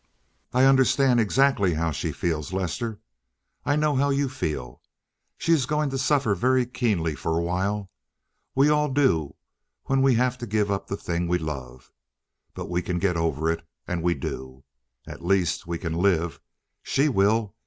"I understand exactly how she feels, Lester. I know how you feel. She is going to suffer very keenly for a while—we all do when we have to give up the thing we love. But we can get over it, and we do. At least, we can live. She will.